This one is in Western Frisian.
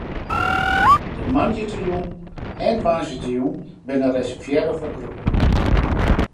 De moandeitejûn en woansdeitejûn binne reservearre foar groepen.